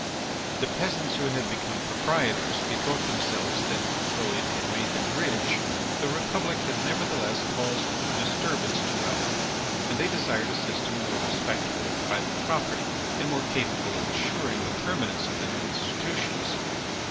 The peasants who had become proprietors bethought themselves that though it had made them rich, the Republic had nevertheless caused a disturbance to wealth, and they desired a system more respectful of private property and more capable of assuring the permanence of the new institutions.